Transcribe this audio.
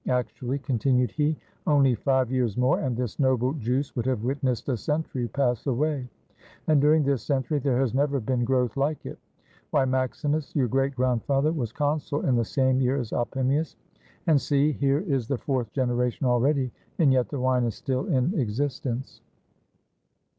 "Actually," continued he, "only five years more, and this noble juice would have witnessed a century pass away, and during this century there has never been growth like it. Why, Maximus, your great grandfather was consul in the same year as Opimius; and see, here is 474 A ROMAN BANQUET the fourth generation already, and yet the wine is still in existence."